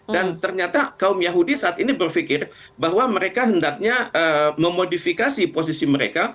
dan ternyata kaum yahudi saat ini berpikir bahwa mereka hendaknya memodifikasi posisi mereka